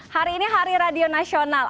hari ini hari radio nasional